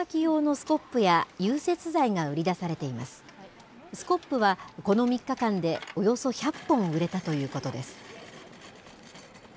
スコップは、この３日間でおよそ１００本売れたということです。